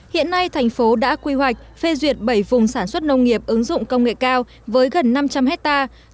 hiện nay thành phố đã quy hoạch phê duyệt bảy vùng sản xuất nông nghiệp ứng dụng công nghệ cao với gần năm trăm linh hectare